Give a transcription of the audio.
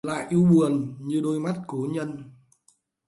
Lại ưu buồn như đôi mắt cố nhân